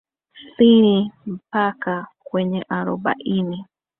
thini mpaka kwenye arobaini